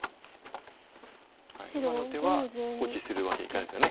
今の手は放置するわけにはいかないですよね。